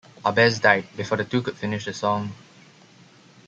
Ahbez died before the two could finish the song.